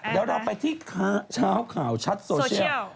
เดี๋ยวเราไปที่เช้าข่าวชัดโซเชียล